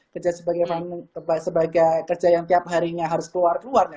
kerja sebagai kerja yang tiap harinya harus keluar keluarnya